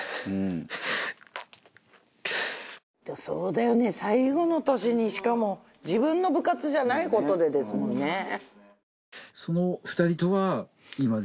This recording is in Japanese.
そうだよね最後の年にしかも自分の部活じゃないことでですもんね。